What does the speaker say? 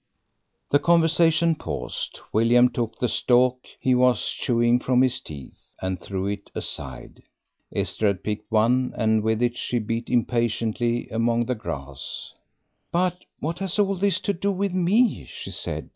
The conversation paused. William took the stalk he was chewing from his teeth, and threw it aside. Esther had picked one, and with it she beat impatiently among the grass. "But what has all this to do with me?" she said.